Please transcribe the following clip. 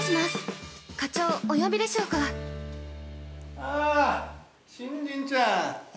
◆あ新人ちゃん